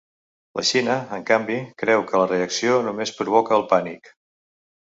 La Xina, en canvi, creu que la reacció només provoca el ‘pànic’.